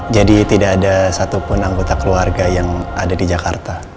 jadi tidak ada satupun anggota keluarga yang ada di jakarta